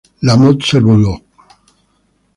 La Motte-Servolex